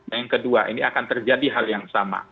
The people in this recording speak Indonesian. yang kedua ini akan terjadi hal yang sama